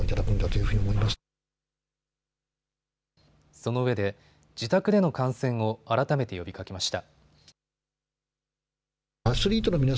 そのうえで自宅での感染を改めて呼びかけました。